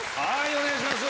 お願いします。